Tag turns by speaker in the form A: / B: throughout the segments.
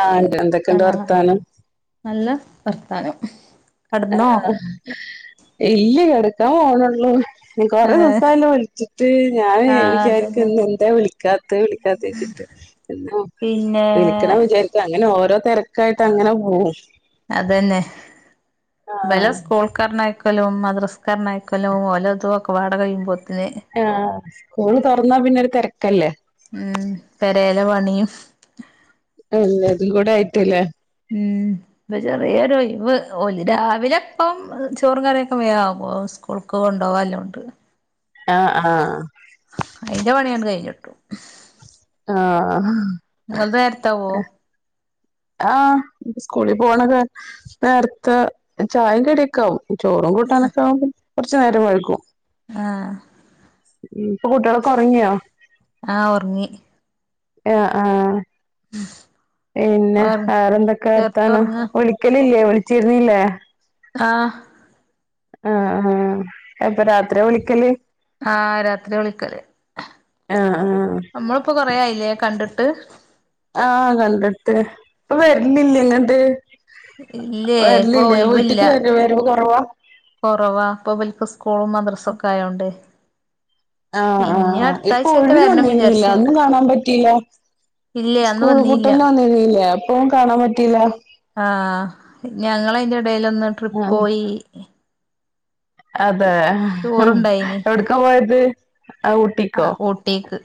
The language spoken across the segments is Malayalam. A: ആഹ് ഇണ്ട്ണ്ട്
B: ആഹ് നല്ല വർത്താനം കടന്നോ
A: ആഹ് ഇല്ലേ കിടക്കാൻ പോണൊള്ളൂ കൊറെ
B: ഏഹ്
A: ദിവസായല്ലോ വിളിച്ചിട്ട് ഞാന്
B: ആഹ്
A: വിചാരിക്കും
B: അതന്നെ
A: ഇന്ന് എന്താ വിളിക്കാത്തെ വിളിക്കാത്തെ വച്ചിട്ട് എന്നോ
B: പിന്നെ
A: ക്കണം വിചാരിക്കു അങ്ങനെ ഓരോ തെരക്കായിട്ട് അങ്ങനെ പോകും
B: അതന്നെ ഇബല
A: ആഹ്
B: സ്കൂൾക്കർ ഞ്ഞയ്ക്ക് ക്കലും മദ്രസക്കർണ്ണയക്കലും ഓലോതും ഒക്കെ വാട കഴിയുമ്പോത്തിന്
A: ആഹ് സ്കൂള് തൊറന്നാ പിന്നെ ഒരു തിരക്കല്ലേ
B: ഉം പെരേല പണിയും
A: എല്ലാത്തിൽ കൂടെ ആയിട്ടല്ലേ
B: ഉം ഇപ്പ ചെറിയൊരു ഒഴിവ് ഓല് രാവിലെ ഇപ്പം ചോറും കറിയൊക്കെ വേഗം ആകും സ്കൂ സ്കൂള്ക്ക് കൊണ്ട് പോകാൻ ഇല്ലോണ്ട്
A: ആഹ് ആഹ്
B: അയിന്റെ പണിയങ്ങട്ട് കഴിഞ്ഞിട്ടു
A: ആഹ്
B: നിങ്ങൾതെ നേരത്തെ ആവോ
A: ആഹ് സ്കൂളി പോകണനേ നേരത്തെ ചായെം കടിയൊക്കാവും ചോറും കൂട്ടാനൊക്കെ ആകും കുറച്ചു നേരം വൈകും
B: ആഹ്
A: ഉം ഇപ്പൊ കൂട്ടികളൊക്ക ഒറങ്ങിയോ
B: ആഹ് ഒർങ്ങി
A: ആഹ് ആഹ് പിന്നെ
B: ഒർ
A: വേറെന്തെക്കെ വർത്താനം
B: ചെർതൊർങ്ങാ
A: വിളി ക്കലില്ലേ വിളിച്ചിരുന്നില്ലേ
B: ആഹ്
A: ആഹ് ആഹ് അപ്പൊ രാത്രിയ വിളിക്കല്
B: ആഹ് രാത്രി വിളിക്കല്
A: ആഹ് ആഹ്
B: നമ്മളിപ്പൊ കൊറയായില്ലേ കണ്ടിട്ട്
A: ആഹ് കണ്ടിട്ട് ഇപ്പൊ വരിലില്ല ഇങ്ങട്ട്
B: ഇല്ലേ ഇപ്പൊ
A: വരലില്ലേ വീട്ടിക്ക് വര വരവ് കുറവാ
B: കുറവാ ഇപ്പഇവർക്ക് സ്കൂളും മദ്രസ ഒക്കെ ആയോണ്ട്
A: ആഹ് ആഹ്
B: ഇനി
A: ആഹ് ഇപ്പൊ
B: അടുത്താഴ്ചറ്റെ
A: ഒഴിവിന്
B: വരണം
A: വന്നിരുന്നില്ല
B: വിചാരിച്ച്ണ്ട്
A: അന്നും കാണാൻ പറ്റില്ല
B: ഇല്ലേ അന്ന്
A: സ്കൂൾ
B: വന്നീല്ല
A: പൂട്ടലിന് വന്നിരുന്നില്ലേ അപ്പ കാണാൻ പറ്റില്ല
B: ആഹ് ഞങ്ങള് അതിന്റെ ഇടേല് ഒന്ന്
A: ആഹ്
B: ട്രിപ്പോയി
A: അതെ
B: ടൂറുണ്ടായിനി
A: എവിടക്കാ പോയത് ആ ഊട്ടിക്കോ
B: തേക്ക്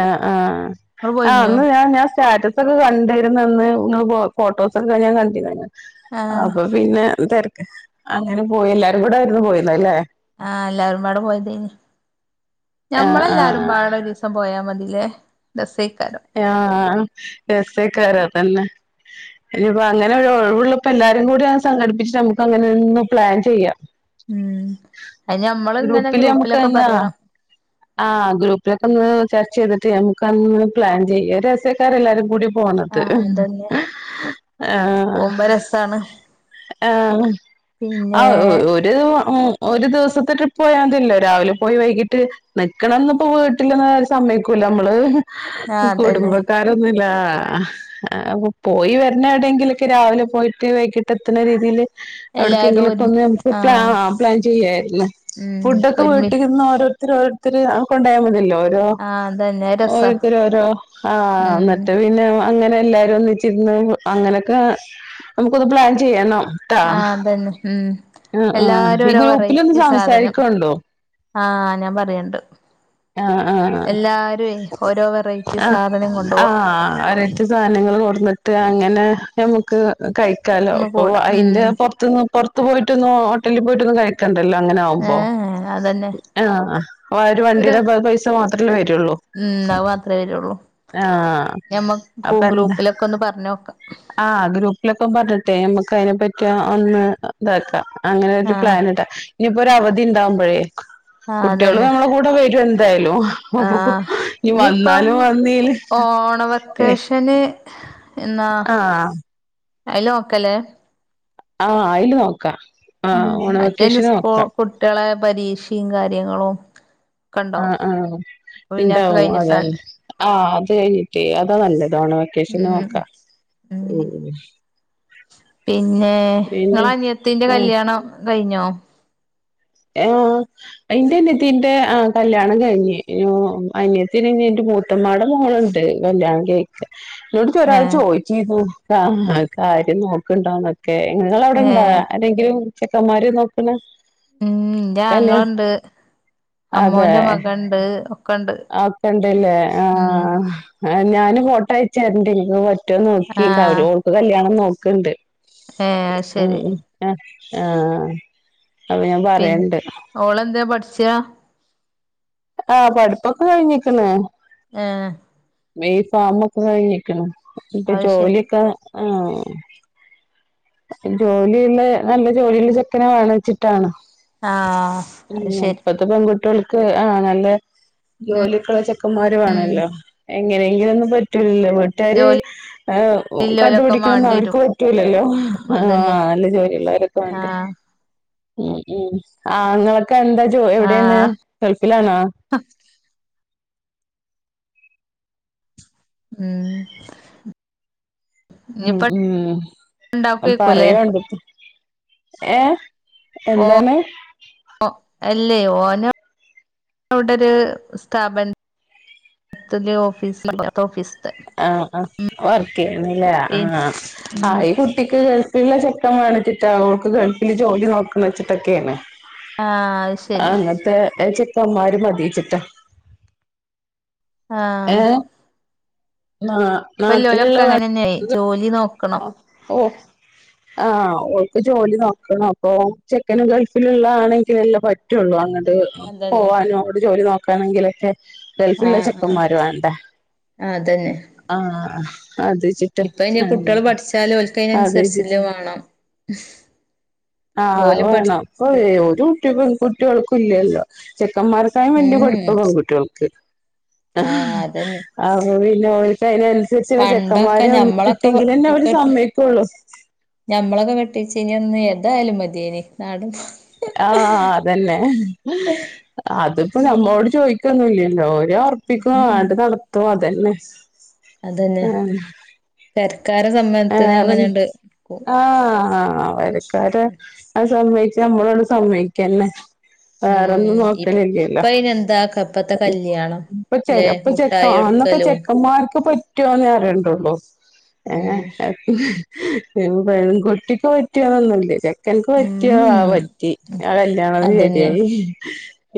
A: ആഹ് ആഹ്
B: ഇങ്ങള്
A: ആഹ്
B: പോയിനിയോ
A: അന്ന് ഞാൻ ഞാൻ സ്റ്റാറ്റസ് കണ്ടിരുന്നന്ന് നിങ്ങൾ ഫോഫോട്ടോസ് ഒക്കെ കഴിഞ്ഞ കണ്ടിരുന്നു
B: ആഹ്
A: അപ്പോ പിന്നെ എന്തക്ക് അങ്ങനെ പോയി എല്ലാരും കൂടൊയിരുന്നു പോയിരുന്ന അല്ലെ
B: ആഹ് എല്ലാരും പാട് പോയതേന്
A: ആഹ് ആഹ്
B: ഞമ്മളെല്ലാരുംപാടരു സം പോയാമതിലെ രസൈക്കാരം
A: ആഹ് രസൈക്കാരം അതന്നെ ഇനിപ്പ അങ്ങനെ ഒ ഒഴിവുള്ളപ്പോ എല്ലാരും കൂടെ സംഘടിപ്പിച്ച്ട്ട് നമുക്ക് അങ്ങനെ ഒന്ന് പ്ലാൻ ചെയ്യാം
B: ഉം ഐന് നമ്മള് ഇങ്ങനെ ഗ്രൂപ്പിലൊക്കെ പറയണം
A: ആ ഗ്രൂപ്പിലൊക്കെ ഒന്ന് ചർച്ച ചെയ്തിട്ട് നമുക്കന്ന് പ്ലാൻ ചെയ്യ രസ്യക്കാരം എല്ലാരും കൂടി പോണത്
B: ആഹ് അതന്നെ
A: ആഹ്
B: പോകുമ്പോ രസാണ്
A: ഹ ആ ആ
B: പിന്നെ
A: ഒര് ഒരു ഒരു ദിവസത്തെ ട്രിപ്പ് പോയാതില്ലോ രാവിലെ പോയി വൈകിട്ട് നിക്കണംന്നപ്പോ വീട്ടിലിന്ന് ഒരു സമ്മതിക്കൂല നമ്മള്
B: ആഹ് അതന്നെ
A: കുടുംബക്കാര് ഒന്നില്ലാ ആ അപ്പൊ പോയി വരുന്ന എവിടെയങ്കിലൊക്കെ രാവിലെ പോയിട്ട് വൈകിട്ട് എത്തുന്ന രീതിയില്
B: എല്ലാരും
A: എവിടക്കെങ്കിലൊക്കെ
B: ഒരു
A: ഒന്ന് നമുക്ക് പ്ല
B: ആഹ്
A: ആ പ്ലാൻ ചെയ്യായിരുന്നു
B: ഉം
A: ഫുഡ് ഒക്കെ
B: ഒരുമി
A: വീട്ടിരുന്നു ഓരോരുത്തർ ഓരോരുത്തര് കൊണ്ട് പോയാൽ മതില്ലോ ര
B: ആഹ് അതന്നെ അത് രസാ
A: ഓരോരുത്തർ ഓരോ ആ
B: ഉം
A: എന്നിട്ട് പിന്നെ അങ്ങനെ എല്ലാരും ഒന്നിച്ചിന്ന് അങ്ങനെയൊക്കെ നമുക്കൊന്ന് പ്ലാൻ ചെയ്യണം ട്ട
B: ആഹ് അതന്നെ ഉം
A: ആ ആ
B: എല്ലാരും
A: ഈ
B: ഓരോ
A: ഗ്രൂപ്പിലൊന്ന് സംസാരിക്കണ്ടു
B: ആഹ ഞാൻ പറയണ്ട്
A: ആഹ ആഹ്
B: എല്ലാരുവേ ഓരോ വെറൈറ്റി
A: ആ
B: സാധനം
A: ആ
B: കൊണ്ടുപോവാ
A: അ സാധനങ്ങൾ കൊട്ടുന്നിട്ട് അങ്ങനെ നമുക്ക് കഴിക്കാലോ
B: ഒന്ന്
A: അപ്പൊ
B: കൂടാ
A: അതിന്റെ
B: ഉം
A: പുറത്തന്ന് പുറത്ത് പോയിട്ടൊന്നും ഹോട്ടലിൽ പോയിട്ടൊന്നും കഴിക്കണ്ടല്ലോ അങ്ങനെ ആകുമ്പോ
B: ഏഹ് അതന്നെ
A: ആഹ ഒരു വണ്ടിയുടെ പൈസ മാത്രല്ലേ വരുള്ളൂ
B: ഉം അത് മാത്രമേ വരുള്ളൂ
A: ആഹ്
B: ഞമ്മക്ക് ഗ്രൂപ്പിലൊക്കെ ഒന്ന് പറഞ് നോക്കാം
A: ആ ഗ്രൂപ്പിലൊക്കെ പറഞ്ഞിട്ടെ നമ്മുക്ക് അതിനെ പറ്റി ഒന്ന് ഇതാക്കാം അങ്ങനെ ഒരു
B: ആഹ്
A: പ്ലാനിടാം ഇനിയിപ്പോ ഒരു അവധി ഉണ്ടാവുമ്പോഴേ
B: ആഹ്
A: കുട്ടികളും
B: അതന്നെ
A: നമ്മളെ കൂടെ അവരും വരും എന്തായാലും
B: ആഹ്
A: ഇനി
B: ഇനിയിപ്പം
A: വന്നാലും വന്നീല് ഏ
B: പക്ഷന് എന്നാ
A: ആഹ്
B: അയില് നോക്കല്ലേ
A: ആ അയില് നോക്കാം ആ
B: ഉം മറ്റേന്
A: ഓണവെക്കേഷന്
B: സ്കൂ
A: നോക്കാം.
B: കുട്ടികളെ പരീക്ഷയും കാര്യങ്ങളും ഒക്കെ
A: ആ
B: ഉണ്ടാവും
A: ആ
B: അപ്പൊ പിന്നെ ഒക്കെ
A: ഉണ്ടാവും
B: കഴിഞ്ഞിട്ടാല്ലേ
A: അതന്നെ ആഹ് അത് കഴിഞ്ഞിട്ടേ അതാ നല്ലത് ഓണം വെകേഷന്
B: ഉം
A: നോക്കാം
B: ഉം
A: ഉ
B: പിന്നെ നിങ്ങള അനിയത്തിന്റെ
A: ഓ
B: കല്യാണം കഴിഞ്ഞോ?
A: ആ എന്റെ അനിയതീന്റെ ആ കല്യാണം കഴിഞ്ഞ് അനിയത്തിന് എന്റെ മൂ മൂത്തുമ്മടെ മോളുണ്ട് കല്യാണം കഴി എന്നോട് ഒരാള്
B: ഏഹ്
A: ചോദിച്ചിനു കാര്യം നോക്കണ്ടോന്ന് ക്കെ നിങ്ങള അവിടെണ്ടാ
B: ഏഹ്
A: ആരെങ്കിലും ചെക്കന്മാര് നോക്കുന്ന?
B: ഇൻ്റെ ആങ്ങളൊണ്ട്
A: അതെ
B: ഒക്കെണ്ട്
A: ആക്കെണ്ടല്ലേ
B: ഉം
A: ആഹ് ആ ഞാനും ഫോട്ടോ അയച്ചരണ്ട് പറ്റൊന്ന് നോക്കി
B: ആഹ്
A: ഓൾക്ക് കല്യാണം നോക്കണ്ട്
B: ഏഹ് അത്
A: ഉം
B: ശരി
A: ഉം ആഹ് അപ്പ ഞാൻ പ
B: പിന്ന ഓളെന്താ പഠിച്ചാ?
A: ആഹ് പഠിപ്പൊക്ക കഴിഞ്ഞിക്കണ്
B: ആഹ്
A: ബി ഫാമൊക്ക കഴിഞ്ഞിക്കണ് ഇപ്പ
B: അത് ശരി
A: ജോലിയൊക്ക ആഹ് ജോലിയുള്ള നല്ല ജോലിയുള്ള ചെക്കനെ വേണച്ചിട്ടാണ്
B: ആഹ് അത് ശരി
A: ഇപ്പത്തെ പെൺകുട്ടിഓള്ക്ക് ആഹ് നല്ല ജോലിക്കൊള്ള ചെക്കന്മാരു
B: ഉം
A: വേണോല്ലോ എങ്ങനെയെങ്കിലും ഒന്നും പറ്റൂലല്ലോ വീട്ടാര്
B: ജോലി ഇല്ലോലൊക്കെ
A: കണ്ടുപിടിക്കണംന്ന് അവർക്ക്
B: മാണ്ടിരും
A: പറ്റൂല്ലല്ലോ ആഹ്
B: അതന്നെ
A: നല്ല ജോലിയൊള്ളവരൊക്ക വേണ്ടേ
B: ആഹ്
A: ഉം ഉം ആങ്ങളൊക്കെ എന്താ ജോലി എവിടേണ്
B: ആഹ്
A: ഗൾഫിലാണോ?
B: ഉം
A: ഉം
B: ഇനിയിപ്പ
A: ഉം
B: ഇണ്ടാക്കുവെക്കൂല്ലേ
A: പറയാഅവൾടെ എടുത്ത് ഏഹ് എന്താണ്
B: ഓ അല്ലേ ഓന് അവടെ ഒര് സ്ഥാപന ത്തില് ഓഫീസ് ഇവിടത്തെ ഓഫീസില്
A: ആഹ് ആഹ് വർക്ക് ചെയ്യുന്നില്ല
B: ഉം
A: ആഹ് ആഹ് കു കുട്ടിക്ക് ഗൾഫിള്ള ചെക്കൻ വേണച്ചിട്ടാ ഓൾക്ക് ഗൾഫില് ജോലി നോക്ക്ന്ന് വെച്ചിട്ടൊക്കെയാണ്
B: ആഹ് അത്
A: ആഹ്
B: ശരി
A: അങ്ങനത്തെ ചെക്കന്മാര് മതീച്ചിട്ടാ
B: ആഹ്
A: ഏഹ് നാ
B: ഇപ്പല്ലോലക്കെ അങ്ങനെ തന്നെ ആയി ജോലി നോ
A: ഓഹ് ഓഹ് ആഹ് ഓൾക്ക് ജോലി നോക്കണം അപ്പൊ ചെക്കന് ഗൾഫിലുള്ള ആണെങ്കിലല്ലേ പറ്റു റ്റുള്ളൂ അങ്ങട്ട്
B: അതന്നെ
A: പോവാനും അങ്ങട്ട് ജോലി നോക്കാനെങ്കിലൊക്കെ ഗൾഫിലുള്ള
B: ആഹ് ആഹ്
A: ചെക്കന്മാരും വേണ്ടേ
B: ആഹ് അതെ
A: ആഹ് അത് [unintelligible]
B: ഇപ്പ ഇനി
A: ആഹ്
B: കുട്ടികള് പഠിച്ചാലും
A: അത് വെച്ചിട്ട്
B: ഓൽക്കയിനനുസരിച്ചില്ലേ വേണം
A: ആഹ്
B: ഓലും പഠി
A: വേണം ഇപ്പൊ
B: അതന്നെ
A: ഒരു കുട്ടികക്കും കുട്ടികൾക്കും ഇല്ലല്ലോ ചെക്കന്മാര ഇത്രേം വലിയ പഠിപ്പ
B: ഉം
A: പെൺകുട്ടികൾക്ക് ആഹ് അപ്പ പിന്ന ഓൾക്ക് അതിനനുസരിച്ച്
B: പണ്ടൊക്കെ
A: ചെക്കന്മാരെ
B: ഞമ്മളൊക്കെ
A: കിട്ടിയെങ്കില് തന്നെ അവര്
B: കെട്ട്
A: സമ്മ ക്കോള്ളു
B: ഞമ്മളൊക്കെ കെട്ടിച്ചീനി അന്ന് ഏതായാലും മതിയേനി നാട
A: ആഹ് അതന്നെ അതിപ്പ
B: ഉം
A: നമ്മോട് ചോദിക്കൊന്നുംല്ലല്ലോ ഓര് ഒറ പ്പിക്കുവ
B: ഉം
A: ആട്ട് നടത്തും അതന്നെ
B: അത് തന്നെ
A: ആഹ്
B: പെരക്കാര സമ്മതത്തിന്
A: വേറെ
B: അങ്ങനെയൊണ്ട്
A: ആഹ് പെരക്കാര് ആ സമ്മതിച്ച നമ്മളും അങ്ങട് സമ്മതിക്കന്നെ വേറൊന്നും
B: ഉം ഇപ്പ
A: നോക്കലില്ലല്ലോ
B: അയിന് എന്താ ഇപ്പത്തെ കല്യാണം
A: ഇപ്പ
B: ല്ലേ
A: ഇപ്പ ചെക്ക
B: മുട്ടായി
A: അന്നൊക്ക
B: കൊടുക്കലും
A: ചെക്കന്മാർക്ക് പറ്റുവോന്ന് അറിയേണ്ടുള്ളൂ
B: ഉം
A: ഏഹ് പെൺ പെൺകുട്ടിക്ക് പറ്റിയന്നൊന്നും ഇല്ല ചെ ചെക്കന്ക്ക് പറ്റിയാ ആ
B: ഉം
A: പറ്റി ആ കല്യാണം ശരിയായി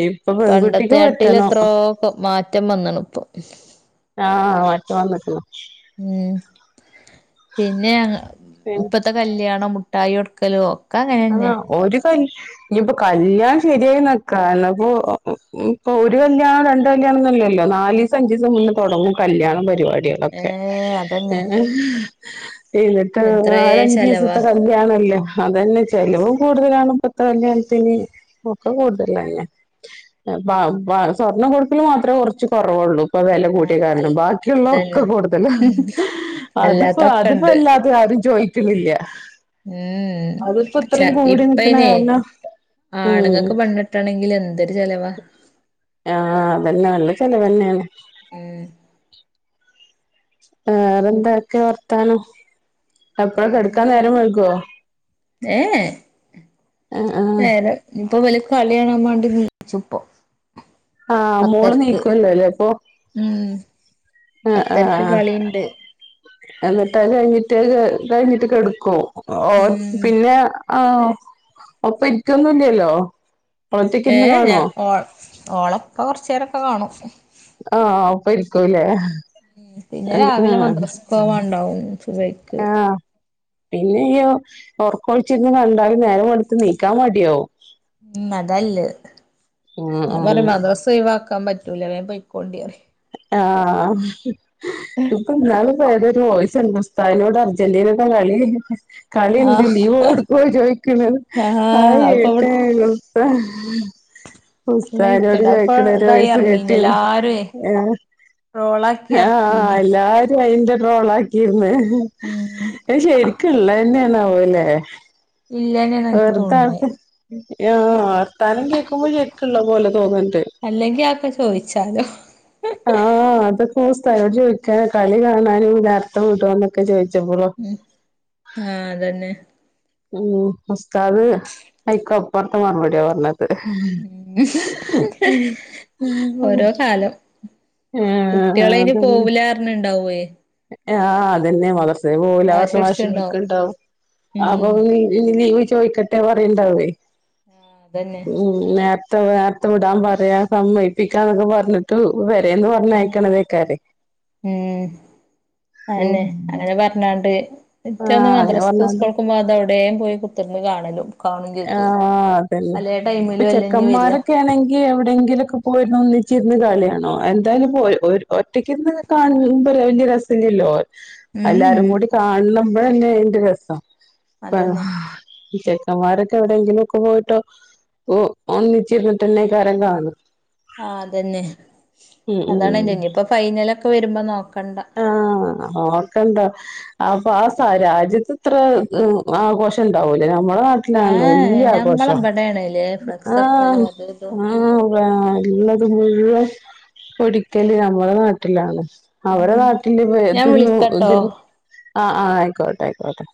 A: ഇ
B: പണ്ടത്തെ ആട്ടില് എത്രോ പ്പ മാറ്റം വന്നണു ഇപ്പൊ
A: ആഹ് മാറ്റം വന്നേക്കണു
B: ഉം പിന്നെ ഇപ്പത്തെ കല്ല്യാണം മുട്ടായി കൊടുക്കലോ
A: ആഹ് ഒരു കല്യ ഇനിയിപ്പൊ കല്യാണം ശരിയായി വെക്കാ അപ്പോ ഇപ്പൊ ഒരു കല്യാണം രണ്ട് കല്യാണന്നല്ലല്ലോ നാല് അഞ്ചി സമുന്നെ തൊടങ്ങും കല്യാണം
B: ഏ
A: പരിപാടിയാളൊക്കെ.
B: അതന്നെ
A: ഇതൊക്കെ
B: എത്രേ ചെലവാ
A: നാലഞ്ചിസത്തെ കല്യാണല്ലെ അതന്നെ ചെലവും കൂടുതലാണ് ഇപത്തെ കല്യാണത്തിന് ഒക്കെ കൂടുതലെന്നെ ബബ ബസ്വർണ്ണം കൊടുകൽ മാത്രേ കുറച്ച് കൊറവൊള്ളൂ ഇപ്പ വില
B: ആ
A: കൂടിയ
B: അൽ
A: കാരണം ബാക്കിയുള്ള
B: അതന്നെ
A: ഒക്കെ കൂടുതല അതിപ്പോ അതിപ്പോ
B: അല്ലാത്തൊക്കെണ്ട്
A: വല്ലാതെ ആരും ചോയി ക്കലില്ല
B: ഉം ഉം ച
A: കൂടി നിക്കണ
B: ഇപ്പയ്നെ
A: കാരണം ഉം
B: ആണുങ്ങകും പെ കെട്ടണെങ്കിൽ എന്തൊരു ചിലവാ.
A: ആഹ് അതന്നെ നല്ല ചെലവ ന്നെയാണ്.
B: ഉം
A: വേറെന്താക്കെ വർത്താനം? എപ്പളാ കെടക്കാൻ
B: വേറെന്താ
A: നേരം
B: അങ്ങനെ
A: വെഴ്കോ?
B: ഏ ഏ
A: ആഹ് ആഹ്
B: നേരെ ഇഞ്ഞിപ്പൊ ഇവല് കളിയാണാൻ മാണ്ടി നീച്ചും ഇപ്പൊ.
A: ആഹ് മോള് നീക്കുവല്ലോലെ അപ്പൊ?
B: ഉം
A: ആഹ്
B: പത്തരക്ക്
A: ആഹ്
B: കളി ഇണ്ട്.
A: എന്നിട്ട് അത് കഴിഞ്ഞിട്ട് കഴിഞ്ഞിട്ട് കെടക്കും ഓ
B: ഉം
A: പിന്നെ ആഹ് ഒപ്പ ഇരിക്കൊന്നുല്ലല്ലോ ഓള് ഒറ്റക്ക്
B: ഏ
A: ഇരുന്ന്
B: ഞാ
A: കാണുവോ?
B: ഓ ഓളെപ്പ കൊറച്ചേരൊക്കെ കാണും.
A: ആഹ് ആഹ് ഉപ്പരിക്കൂല്ലേ?
B: ഉം പിന്നെ രാവിലെ മദ്രസ് പോവാണ്ടാവും സുബയിക്ക്.
A: പിന്നെയ്യോ ഓർക്കൊഴിച്ചിരുന്ന് കണ്ടാൽ നേരം വെളുത്ത് നീക്കാൻ മടിയാവും.
B: ഉം അതാല്ലത്
A: ഉം
B: ഞാ
A: ഉം
B: പറയും മദ്രസ് ഒഴിവാക്കാൻ പറ്റൂല വേം പൊയിക്കോണ്ടി പറയും.
A: ആഹ് ഇപ്പ ഇന്നാള് ഇപ്പൊ ഏതോ ഒര് വോയിസ്‌ കണ്ടു ഉസ് തായിനോട് അർജന്റീനന്റെ കളി. കളി ഇണ്ട്
B: ആഹ്
A: ലീവൊടുക്കോ ചോദിക്ക്ണത് അത്
B: ആഹ് അപ്പൊ
A: കേട്ട്.
B: ഇവട് നല്ല
A: ഉസ്തായിനോട്
B: വിറ്റണ്ട് അപ്പൊ
A: ചോദിക്ക്ണ ഒരു
B: ഇതായി
A: വോയിസ്
B: ഇറങ്ങീന്
A: കേട്ടിന്നു.
B: എല്ലാരുവേ റോളാക്കി
A: ഏഹ് ആഹ്
B: ഇറക്കീനി
A: എല്ലാരും. അയിന്റെ ട്രോള ആക്കിയിന്ന്
B: ഉം
A: അത് ശരിക്കുള്ളതന്നേണാവൊലേ?
B: ഇല്ലന്നെയാണ് എനിക്ക്
A: വെർതെ അത്
B: തോന്നുന്നേ
A: കു ആഹ് വർത്താനം കേക്കുമ്പോ ശെരിക്ള്ളെത് പോലെ തോന്ന്ണ്ട്.
B: അല്ലെങ്കി അതൊക്കെ ചോദിച്ചാലോ?
A: ആഹ അതൊക്കെ ഉസ്സ് താദിനോട് ചോദിക്കാ കളി കാണാനും ഇ നേരത്തെ വി ടോഎന്നൊക്കെ ചോദിച്ചപ്പോളോ.
B: ഉം ആഹ് അതന്നെ.
A: ഉം ഉസ്താത് ഐക്കൊപ്പർത്തെ മറുപടിയാ പറഞ്ഞത്.
B: ഓരോ കാലം.
A: ഏഹ്
B: കുട്ടിയാളയ്ന്
A: അതന്നെ
B: പോവുലാ പറഞ്ഞ്ണ്ടാവെയ്.
A: ആഹ് അതെന്നെ മദ്രസേ പോവു ല പറഞ്ഞ് വാശി പിടിക്ക്ണ്ടാവും. അപ്പൊ
B: ഉം
A: ലി ലീവ് ചോയിക്കട്ടെ പറയ്ണ്ടാ വെയ്.
B: ഉം ഇതന്നെ.
A: നേർത്തെ നേർത്തെ വിടാൻ പറയാ സമ്മയിപ്പിക്കാന്നൊക്കെ പറഞ്ഞി ട്ട് വെരേന്ന് പറഞ്ഞയക്ക്ണതേക്കാരെയ്.
B: ഉം
A: ഉം
B: അയന്നെ അങ്ങനെ പറഞ്ഞാണ്ട് ഇറ്റ ഇന്ന്
A: ആഹ് അങ്ങനെ
B: മദ്രസ്ക്കും
A: പറഞ്ഞാണ്ട്
B: സ്കൂൾക്കും പോവാതവിടെ. വേം പോയി കുത്തിർന്ന് കാണലും. കാണും ചെജ്ജും
A: ആഹ് അതന്നെ
B: പലേ
A: ഇപ്പൊ
B: ടൈമിലും അല്ലെ ഇഞ്ഞ് വരാ
A: ചെക്കന്മാരൊക്കെ ആണെങ്കി. എവിടെയെങ്കിലൊക്കെ പോയിരുന് ഒന്നിച്ചിരുന്ന് കളിയാണു എന്തായാലും പോ ഒറ്റക്കിരുന്ന്. കാണുമ്പ വല്യ രസല്ല്യല്ലോ? എല്ലാരും കൂടി കാണ്പഴല്ലെ അതിന്റെ രസം.
B: അതന്നെ
A: ഈ ചെക്കന്മാരൊക്കെ. എവിടെങ്കിലു ഒക്കെ പോയിട്ടോ ഒന്നിച്ചിരുന്നിട്ടന്നെകാരം കാണ.
B: ആ അതന്നെ
A: ഉം ഉം
B: അതാണ് ഇഞ്ഞിപ്പൊ ഫൈനലൊക്കെ വരുമ്പോ നോക്കണ്ട.
A: ആഹ് നോക്കണ്ട അപ്പൊ ആ സ രാജ്യത്ത് ഇത്ര ആഘോഷം ഇണ്ടാവൂലേ ഞമ്മടെ നാട്ട ഇതാണല്ലോ
B: ഏഹ്
A: വല്യ ആഘോഷ
B: ഞമ്മളെ ഇബടേണ്ല്ലേ ഫ്ലക്സ്
A: ആഹ്
B: വെക്കലും അതും ഇതും
A: ആ ആ വേ ഇള്ളത്ത് മുഴുവൻ പൊടിക്കല് നമ്മുടെ നാട്ടിലാണ് അവരെ
B: ഉം
A: നാട്ടിൽ ഇ
B: ഞാൻ
A: ഇതോ
B: വിളിക്കട്ടോ
A: ഇതി ആ ആഹ് ആയിക്കോട്ടെ അയിക്കോട്ടെ